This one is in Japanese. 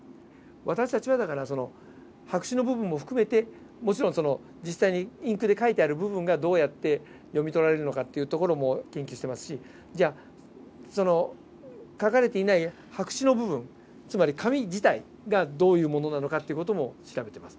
私たちはだからその白紙の部分も含めてもちろん実際にインクで書いてある部分がどうやって読み取られるのかっていうところも研究してますしその書かれていない白紙の部分つまり紙自体がどういうものなのかという事も調べてます。